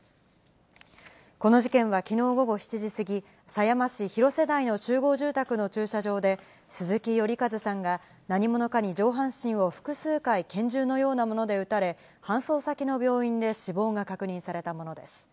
この事件はきのう午後７時過ぎ、狭山市広瀬台の集合住宅の駐車場で、鈴木頼一さんが何者かに上半身を複数回、拳銃のようなもので撃たれ、搬送先の病院で死亡が確認されたものです。